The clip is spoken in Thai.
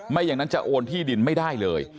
ไม่อย่างนั้นจะโอนที่ดินไม่ได้เลย